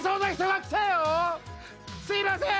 すいません。